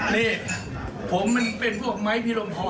นี่ผมมันเป็นพวกไม้พิรมพร